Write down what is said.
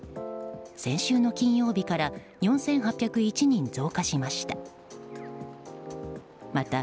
先週の金曜日から４８０１人増加しました。